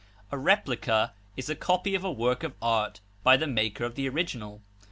A replica is a copy of a work of art by the maker of the original.